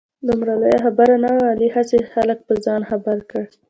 دومره لویه خبره نه وه. علي هسې خلک په ځان خبر کړ.